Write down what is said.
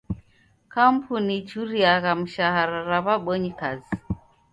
Kampuni ichuriagha mishara ra w'abonyi kazi.